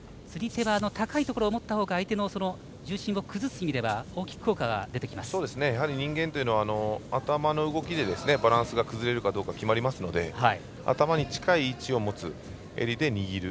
高いところを持ったほうが相手の重心を崩す意味では人間というのは頭の動きでバランスが崩れるかどうか決まるので頭に近い位置を持つ襟で握る。